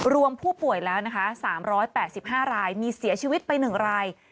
รวมผู้ป่วยแล้วนะคะ๓๘๕รายมีเสียชีวิตไป๑ราย